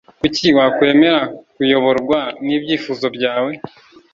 kuki wakwemera kuyoborwa n ibyifuzo byawe